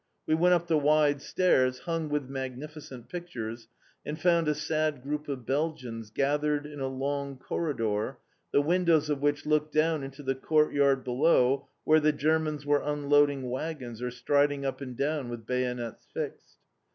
We went up the wide stairs, hung with magnificent pictures and found a sad group of Belgians gathered in a long corridor, the windows of which looked down into the courtyard below where the Germans were unloading waggons, or striding up and down with bayonets fixed.